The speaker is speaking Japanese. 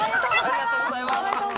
ありがとうございます。